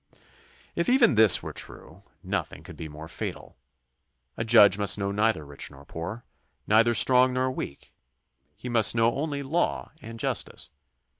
If even this were true, nothing could be more fatal. A judge must know neither rich nor poor, neither strong nor weak. He must know only law and justice.